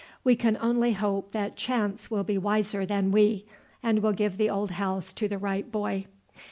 We can only hope that chance will be wiser than we, and will give the old house to the right boy.